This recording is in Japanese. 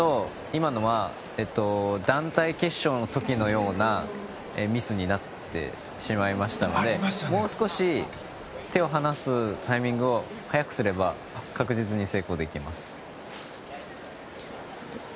今のは団体決勝の時のようなミスになってしまいましたのでもう少し、手を離すタイミングを早くすれば確実に成功できます。